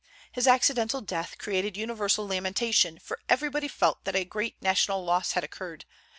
His accidental death created universal lamentation, for everybody felt that a great national loss had occurred.